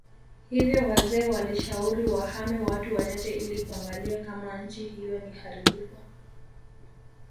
Hivyo wazee walishauri wahame watu wachache ili kuangalia kama nchii hiyo ni haribifu